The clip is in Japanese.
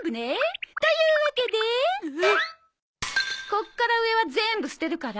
こっから上は全部捨てるから。